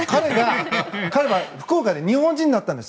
彼が福岡で日本人に会ったんです。